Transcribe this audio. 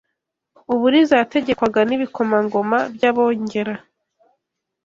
u Buliza yategekwaga n’Ibikomangoma by’Abongera